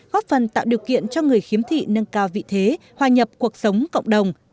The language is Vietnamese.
góp phần tạo điều kiện cho người khiếm thị nâng cao vị thế hòa nhập cuộc sống cộng đồng